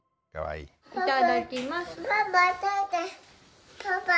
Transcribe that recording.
いただきます。